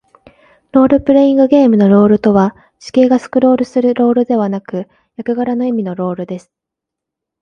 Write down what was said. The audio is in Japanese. ロールプレイングゲームのロールとは、地形がスクロールするロールではなく、役柄の意味のロールです。